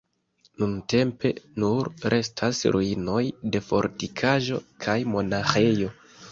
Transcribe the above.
Nuntempe nur restas ruinoj de fortikaĵo kaj monaĥejo.